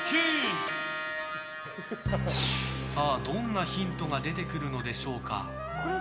さあ、どんなヒントが出てくるのでしょうか？